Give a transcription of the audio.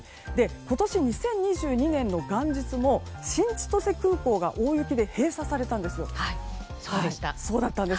今年２０２２年の元日も新千歳空港が大雪で閉鎖されたんです。